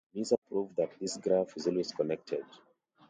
Kneser proved that this graph is always connected.